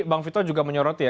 bang vito juga menyoroti ya